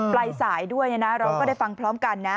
ปลายสายด้วยนะเราก็ได้ฟังพร้อมกันนะ